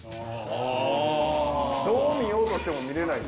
どう見ようとしても見れないって事？